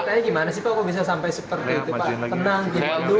ceritanya gimana sih kok bisa sampai seperti itu pak tenang kita dulu gitu pak